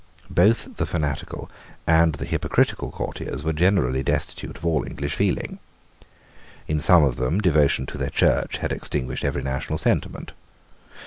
Both the fanatical and the hypocritical courtiers were generally destitute of all English feeling. In some of them devotion to their Church had extinguished every national sentiment.